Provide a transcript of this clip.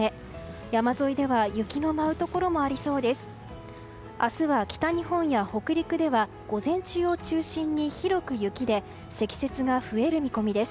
山沿いでは雪の舞うところもありそうです。